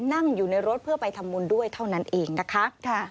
นั่งอยู่ในรถเพื่อไปทำบุญด้วยเท่านั้นเองนะคะ